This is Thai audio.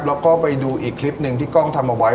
แล้วก็ไปดูอีกคลิปหนึ่งที่กล้องทำเอาไว้